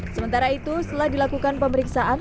sementara itu setelah dilakukan pemeriksaan